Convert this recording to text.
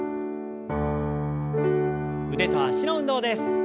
腕と脚の運動です。